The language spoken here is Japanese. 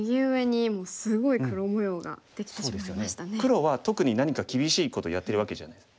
黒は特に何か厳しいことやってるわけじゃないです。